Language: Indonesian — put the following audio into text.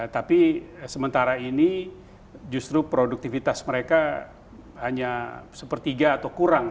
tapi sementara ini justru produktivitas mereka hanya sepertiga atau kurang